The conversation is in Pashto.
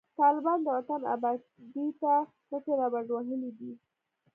طالبان د وطن آبادۍ ته مټي رابډوهلي دي